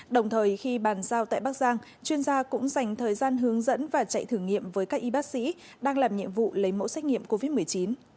đồng thời khi bàn giao tại bắc giang chuyên gia cũng dành thời gian hướng dẫn và chạy thử nghiệm với các y bác sĩ đang làm nhiệm vụ lấy mẫu xét nghiệm covid một mươi chín